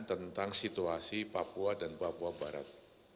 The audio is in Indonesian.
tentang situasi papua dan papua barat